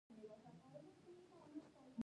د مهارت زده کړه تل ګټوره ده.